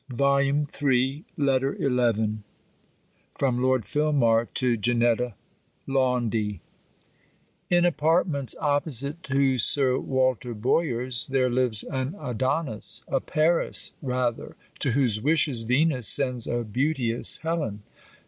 CAROLINE ASHBURN LETTER XI FROM LORD FILMAR TO JANETTA LAUNDY In apartments opposite to Sir Walter Boyer's, there lives an Adonis. A Paris, rather, to whose wishes Venus sends a beauteous Helen.